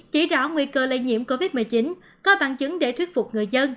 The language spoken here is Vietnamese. chỉ rõ nguy cơ lây nhiễm covid một mươi chín có bằng chứng để thuyết phục người dân